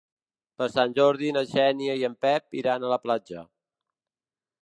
Per Sant Jordi na Xènia i en Pep iran a la platja.